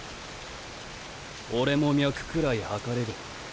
俺も脈くらい計れる。